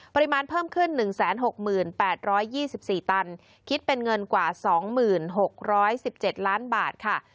ปริมาณเพิ่มขึ้น๑๖๘๒๔ตันคิดเป็นเงินกว่า๒๖๑๗ล้านบาทค่ะ